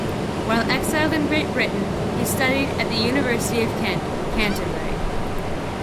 While exiled in Great Britain he studied at the University of Kent, Canterbury.